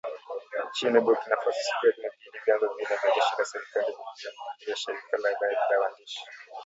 Nchini Burkina Faso siku ya Jumapili vyanzo vine vya jeshi la serikali vililiambia shirika la habari la wandishi .